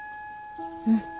うん。